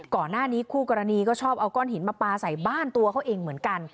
ก่อนหน้านี้คู่กรณีก็ชอบเอาก้อนหินมาปลาใส่บ้านตัวเขาเองเหมือนกัน